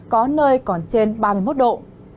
có nơi còn trên ba mươi một độ